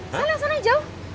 salah sana jauh